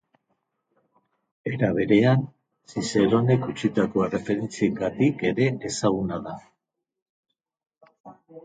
Era berean, Zizeronek utzitako erreferentziengatik ere ezaguna da.